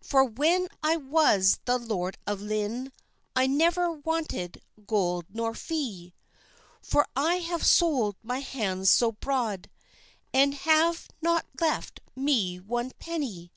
For when I was the Lord of Lynne, I neither wanted gold nor fee; "For I have sold my lands so broad, And have not left me one penny!